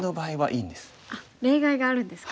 例外があるんですか。